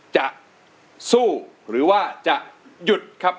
จะสู้หรือว่าจะหยุดครับ